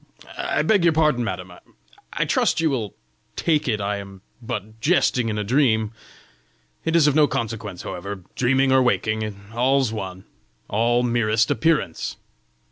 I beg your pardon, madam! I trust you will take it I am but jesting in a dream! It is of no consequence, however; dreaming or waking, all's one all merest appearance!